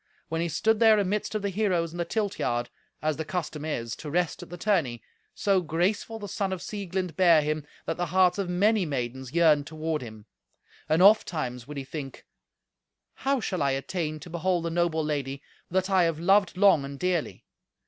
When he stood there amidst of the heroes in the tilt yard, as the custom is, to rest at the tourney, so graceful the son of Sieglind bare him, that the hearts of many maidens yearned toward him. And ofttimes would he think, "How shall I attain to behold the noble lady that I have loved long and dearly?